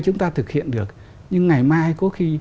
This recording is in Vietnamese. chúng ta thực hiện được nhưng ngày mai có khi